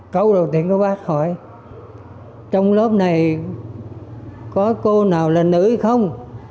câu đầu tiên có bác hỏi trong lớp này có cô nào là nữ không